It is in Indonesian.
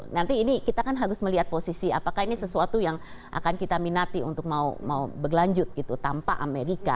nanti ini kita kan harus melihat posisi apakah ini sesuatu yang akan kita minati untuk mau berlanjut gitu tanpa amerika